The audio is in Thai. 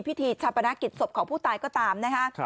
พิธีชาปนกิจศพของผู้ตายก็ตามนะฮะ